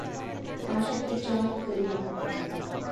عاشق کے چاک گریباں